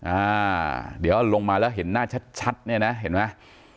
อ่าเดี๋ยวเอาลงมาแล้วเห็นหน้าชัดเนี่ยนะเห็นไหม